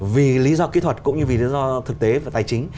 vì lý do kỹ thuật cũng như vì lý do thực tế về tài chính